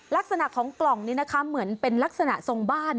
ลักษณะของกล่องนี้นะคะเหมือนเป็นลักษณะทรงบ้าน